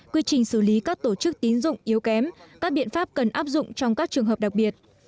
quy trình xử lý các tổ chức tín dụng yếu kém các biện pháp cần áp dụng trong các trường hợp đặc biệt